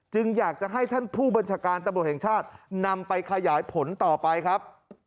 อยากจะให้ท่านผู้บัญชาการตำรวจแห่งชาตินำไปขยายผลต่อไปครับ